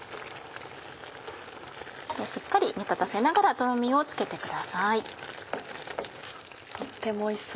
しっかり煮立たせながらとろみをつけてください。